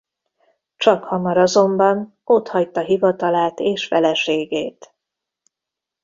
Csakhamar azonban otthagyta hivatalát és feleségét.